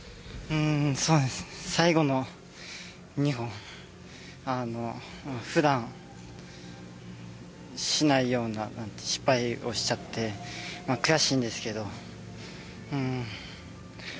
そうですね最後の２本あの普段しないような失敗をしちゃって悔しいんですけどうーんまあ